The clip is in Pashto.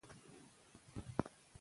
که ننګ ولرو نو وطن نه پلورل کیږي.